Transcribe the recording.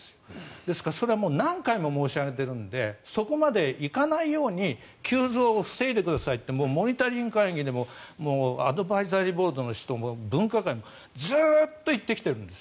ですからそれは何回も申し上げているのでそこまでいかないように急増を防いでくださいとモニタリング会議でもアドバイザリーボードの人も分科会もずっと言ってきているんです。